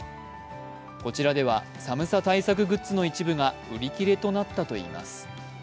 こちらでは寒さ対策グッズの一部が売り切れとなったといいます。